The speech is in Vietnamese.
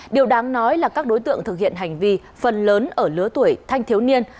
điều đáng nói là các đối tượng thực hiện hành vi phần lớn ở lứa tuổi thanh thiếu niên